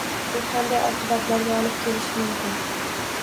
Bu qanday oqibatlarga olib kelishi mumkin?